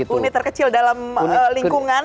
unit terkecil dalam lingkungan